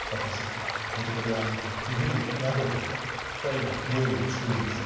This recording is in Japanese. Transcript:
これとこれは阿美子っていうふうに分けて２人で料理を作るんですよ